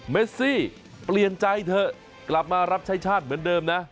เมซี่เปลี่ยนใจเถอะกลับมารับใช้ชาติเหมือนเดิมนะ